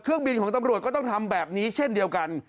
เครื่องบินของตำรวจก็ต้องทำแบบนี้เช่นเดียวกัน